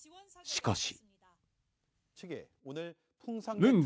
しかし。